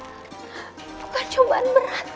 bukan cobaan berat